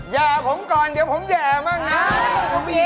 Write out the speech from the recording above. แย่ผมก่อนเดี๋ยวผมแย่มั่งนะ